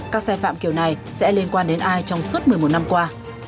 các sai phạm kiểu này sẽ liên quan đến ai trong suốt một mươi một năm qua